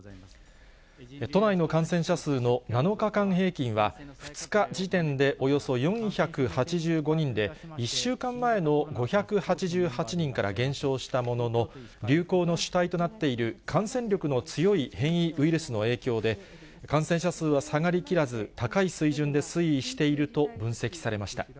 都内の感染者数の７日間平均は、２日時点でおよそ４８５人で、１週間前の５８８人から減少したものの、流行の主体となっている感染力の強い変異ウイルスの影響で、感染者数は下がりきらず、高い水準で推移していると分析されました。